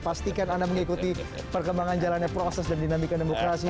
pastikan anda mengikuti perkembangan jalannya proses dan dinamika demokrasi